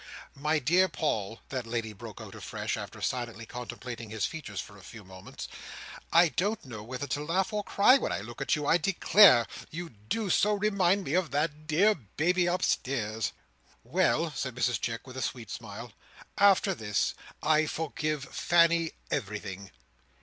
"My dear Paul," that lady broke out afresh, after silently contemplating his features for a few moments, "I don't know whether to laugh or cry when I look at you, I declare, you do so remind me of that dear baby upstairs." "Well!" said Mrs Chick, with a sweet smile, "after this, I forgive Fanny everything!"